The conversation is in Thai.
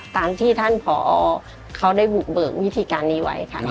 ตามที่ท่านผอเขาได้บุกเบิกวิธีการนี้ไว้ค่ะ